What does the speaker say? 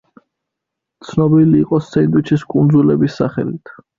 ცნობილი იყო სენდვიჩის კუნძულების სახელით.